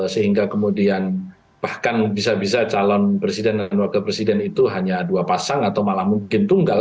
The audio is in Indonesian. sehingga kemudian bahkan bisa bisa calon presiden dan wakil presiden itu hanya dua pasang atau malah mungkin tunggal